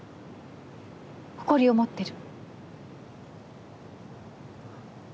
誇りを持ってる。